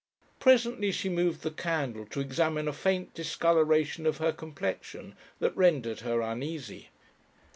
Presently she moved the candle to examine a faint discolouration of her complexion that rendered her uneasy.